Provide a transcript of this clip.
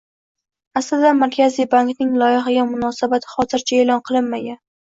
Aslida, Markaziy bankning loyihaga munosabati hozircha e'lon qilinmagan